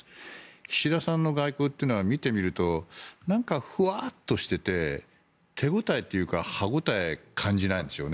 岸田さんの外交は見てみるとなんかふわっとしていて手応えというか歯応えを感じないんですよね。